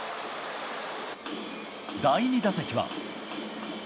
第２打席は。